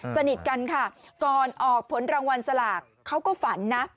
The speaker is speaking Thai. สนิทกันค่ะก่อนออกผลรางวัลสลากเขาก็ฝันนะ